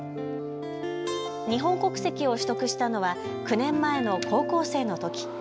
日本国籍を取得したのは９年前の高校生のとき。